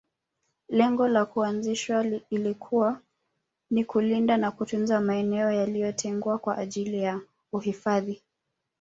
lengo la kuanzishwa ilikuwa ni kulinda na kutunza maeneo yaliotengwa kwa ajili ya uhifadhi